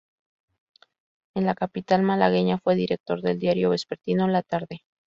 En la capital malagueña fue director del diario vespertino "La Tarde".